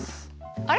あれ？